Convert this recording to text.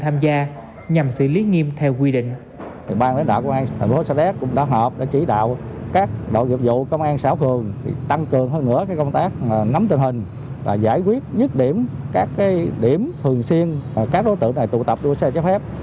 tham gia nhằm xử lý nghiêm theo quy định